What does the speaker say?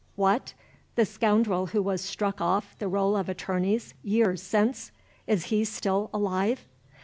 '" "What! The scoundrel who was struck off the Roll of Attorneys, years since? Is he still alive?"